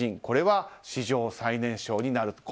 これは史上最年少になる。